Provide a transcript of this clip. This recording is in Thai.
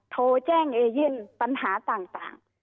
โทรแจ้งเอเย่นปัญหาต่าง